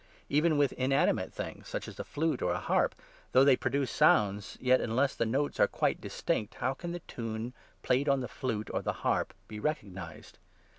Even with in 7 animate things, such as a flute or a harp, though they produce sounds, yet unless the notes are quite distinct, how can the tune played on the flute or the harp be recognized